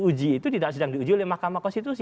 uji itu tidak sedang diuji oleh mahkamah konstitusi